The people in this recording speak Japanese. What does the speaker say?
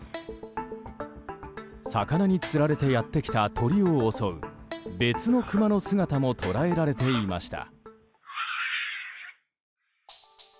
魚につられてやってきた鳥を襲う別のクマの姿も捉えられていました。